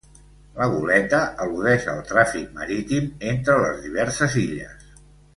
La goleta al·ludeix al tràfic marítim entre les diverses illes.